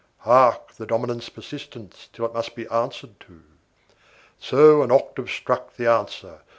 Hark, the dominant's persistence till it must be answered to! So, an octave struck the answer.